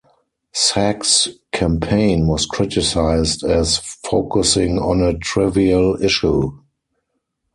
Sacks' campaign was criticized as focusing on a trivial issue.